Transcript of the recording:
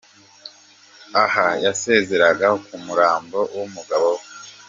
Aha yaseeraga ku murambo wumugabo we